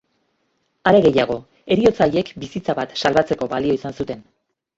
Are gehiago, heriotza haiek bizitza bat salbatzeko balio izan zuten.